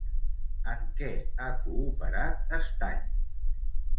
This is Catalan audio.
En què ha cooperat Estany?